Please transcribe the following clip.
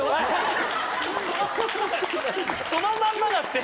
そのまんまだって。